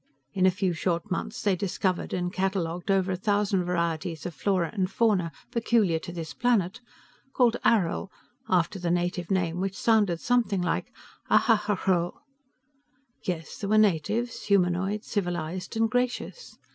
In a few short months they discovered and cataloged over a thousand varieties of flora and fauna peculiar to this planet, called Arrill, after the native name which sounded something like Ahhrhell. Yes, there were natives, humanoid, civilized and gracious.